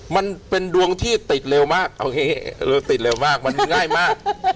มันเป็นดวงที่ติดเร็วมากโอเคเราติดเร็วมากมันง่ายมาก